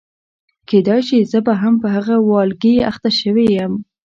کېدای شي زه به هم په هغه والګي اخته شوې یم.